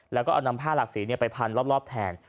แล้วก็เอานำผ้าหลักสีไปพันรอบแทน